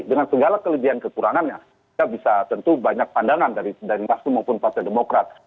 dengan segala kelebihan dan kekurangannya kita bisa tentu banyak pandangan dari mas sumo pun partai demokrat